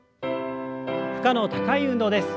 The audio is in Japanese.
負荷の高い運動です。